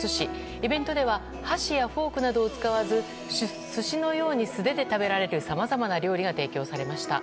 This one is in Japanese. イベントでは箸やフォークを使わず寿司のように素手で食べられるさまざまな料理が提供されました。